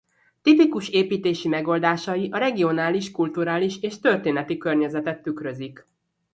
Tipikus építési megoldásai a regionális kulturális és történeti környezetet tükrözik.